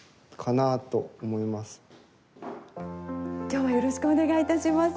今日はよろしくお願いいたします。